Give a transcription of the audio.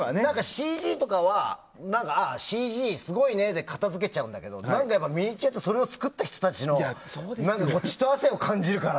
ＣＧとかはああ、ＣＧすごいねで片づけちゃうんだけどミニチュアってそれを作った人たちの血と汗を感じるから。